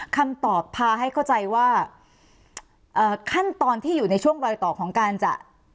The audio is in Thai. คำตอบพาให้เข้าใจว่าขั้นตอนที่อยู่ในช่วงรอยต่อของการจะ